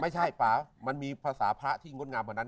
ไม่ใช่ป่ามันมีภาษาพระที่งดงามเหมือนนั้น